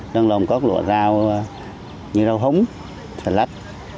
đơn lòng có lụa rau như rau húng xà lách